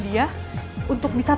dia untuk bisa